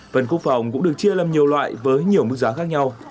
phần quốc phòng cũng được chia làm nhiều loại với nhiều mức giá khác nhau